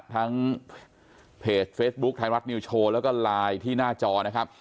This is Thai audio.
ทั้งเพจเฟซบุ๊คไทยรัฐนิวโชว์แล้วก็ไลน์ที่หน้าจอนะครับ